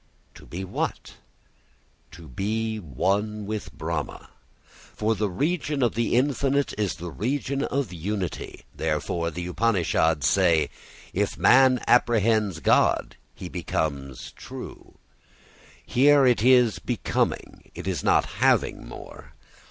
To be what? To be one with Brahma. For the region of the infinite is the region of unity. Therefore the Upanishads say: If man apprehends God he becomes true. Here it is becoming, it is not having more.